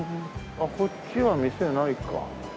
あっこっちは店ないか。